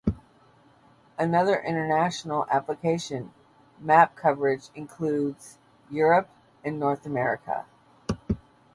Another international application, map coverage includes Europe and North America.